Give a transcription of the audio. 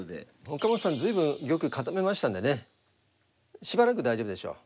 岡本さん随分玉固めましたんでねしばらく大丈夫でしょう。